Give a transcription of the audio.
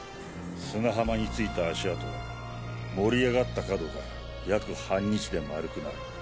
砂浜についた足跡は盛り上がった角が約半日で丸くなる。